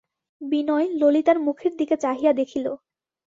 বিনয় ললিতার মুখের দিকে চাহিয়া দেখিল।